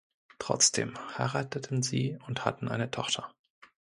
Trotzdem heirateten sie und hatten eine Tochter.